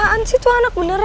apaan sih itu anak beneran deh